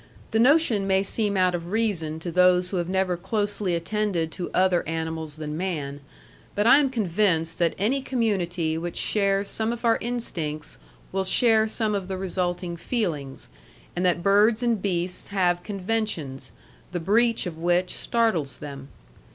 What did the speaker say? The notion may seem out of reason to those who have never closely attended to other animals than man; but I am convinced that any community which shares some of our instincts will share some of the resulting feelings, and that birds and beasts have conventions, the breach of which startles them.